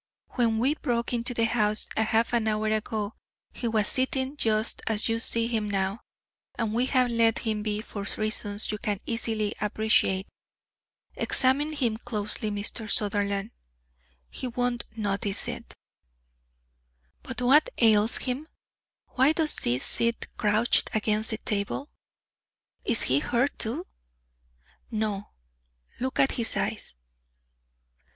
When we broke into the house a half hour ago he was sitting just as you see him now, and we have let him be for reasons you can easily appreciate. Examine him closely, Mr. Sutherland; he won't notice it." "But what ails him? Why does he sit crouched against the table? Is he hurt too?" "No; look at his eyes."